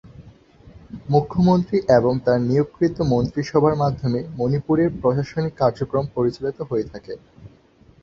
মুখ্যমন্ত্রী এবং তার নিয়োগকৃত মন্ত্রিসভার মাধ্যমে মণিপুরের প্রশাসনিক কার্যক্রম পরিচালিত হয়ে থাকে।